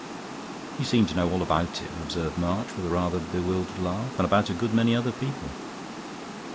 "You seem to know all about him," observed March, with a rather bewildered laugh, "and about a good many other people."